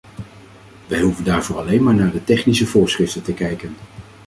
Wij hoeven daarvoor alleen maar naar de technische voorschriften te kijken.